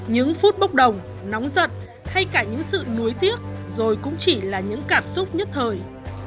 những phút bốc đồng nóng giận hay cả những sự nuối tiếc rồi cũng chỉ là những cảm xúc nhất thời